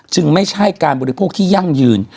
ไม่ใช่การบริโภคที่ยั่งยืน